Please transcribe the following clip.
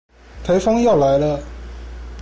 颱風要來了